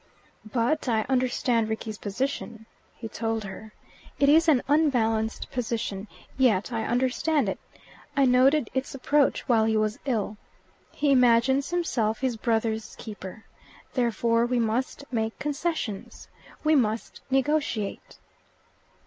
"But I understand Rickie's position," he told her. "It is an unbalanced position, yet I understand it; I noted its approach while he was ill. He imagines himself his brother's keeper. Therefore we must make concessions. We must negotiate."